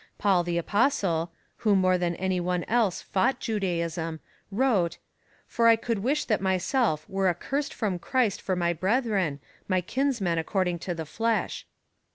Paul the Apostle, who more than any one else fought Judaism, wrote: "For I could wish that myself were accursed from Christ for my brethren, my kinsmen according to the flesh."